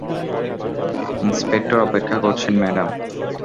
Inspector অপেক্ষা করছেন, madam.